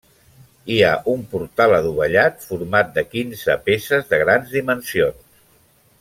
Hi ha un portal adovellat, format de quinze peces de grans dimensions.